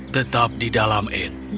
tetap di dalam anne